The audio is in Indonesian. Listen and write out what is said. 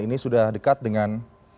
ini sudah dekat dengan